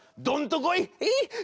どんとこい！」。